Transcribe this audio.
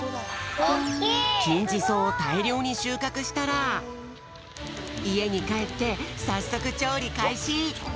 きんじそうをたいりょうにしゅうかくしたらいえにかえってさっそくちょうりかいし！